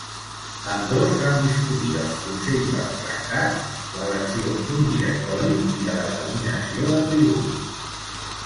Ambdós van discutir els consells dels tractats, l'elecció d'un Directori i la determinació de tributs.